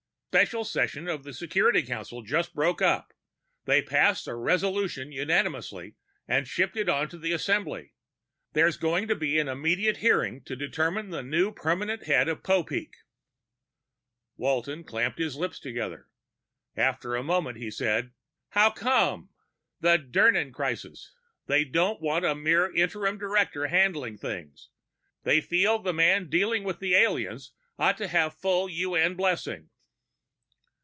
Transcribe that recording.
"Special session of the Security Council just broke up. They passed a resolution unanimously and shipped it on to the Assembly. There's going to be an immediate hearing to determine the new permanent head of Popeek." Walton clamped his lips together. After a moment he said, "How come?" "The Dirnan crisis. They don't want a mere interim director handling things. They feel the man dealing with the aliens ought to have full UN blessing."